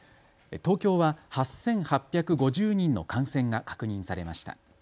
東京は８８５０人の感染が確認されました。